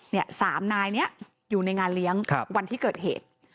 สามนายนี้อยู่ในงานเลี้ยงวันที่เกิดเหตุ